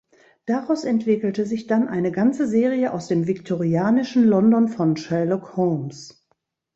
Daraus entwickelte sich dann eine ganze Serie aus dem viktorianischen London von Sherlock Holmes.